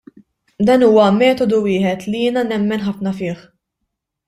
Dak huwa metodu wieħed li jiena nemmen ħafna fih.